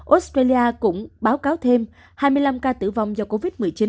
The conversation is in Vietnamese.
australia cũng báo cáo thêm hai mươi năm ca tử vong do covid một mươi chín